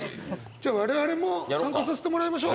じゃあ我々も参加させてもらいましょう。